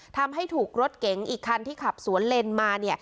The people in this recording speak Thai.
ทำให้ถูกรถเก๋งอีกคันที่ขับสวนเลนมา